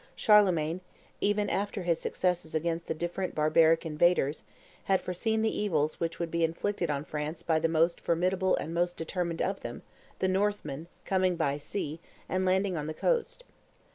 Charlemagne, even after his successes against the different barbaric invaders, had foreseen the evils which would be inflicted on France by the most formidable and most determined of them, the Northmen, coming by sea, and landing on the coast.